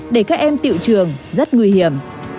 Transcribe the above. để các em tiệu trường rất nguy hiểm